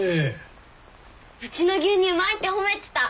うちの牛乳うまいって褒めてた。